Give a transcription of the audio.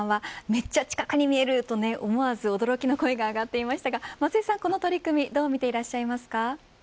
めっちゃ近くに見えると思わず驚きの声が上がっていましたがこの取り組みどう見ていらっしゃいますか。